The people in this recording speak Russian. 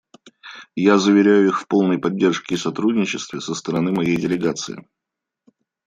Я заверяю их в полной поддержке и сотрудничестве со стороны моей делегации.